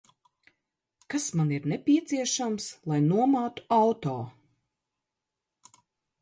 Kas man ir nepieciešams, lai nomātu auto?